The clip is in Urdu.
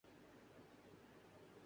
میڈیا میں جب ہم بیٹھے ہوتے ہیں۔